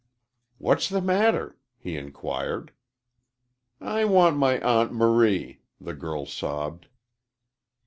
"What's the matter?" he inquired. "I want my Aunt Marie," the girl sobbed.